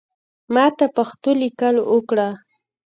ماته پښتو لیکل اوکړه